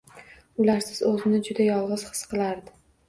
Ularsiz oʻzini juda yolgʻiz his qilardi.